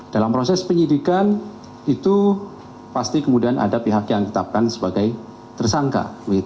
dalam proses penyidikan itu pasti kemudian ada pihak yang ditetapkan sebagai tersangka